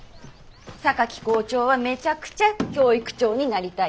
榊校長はめちゃくちゃ教育長になりたい。